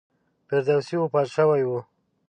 فردوسي وفات شوی و.